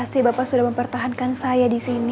masih bapak sudah mempertahankan saya disini